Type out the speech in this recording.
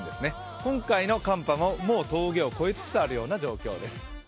今回の寒波も、もう峠を越えつつある状況です。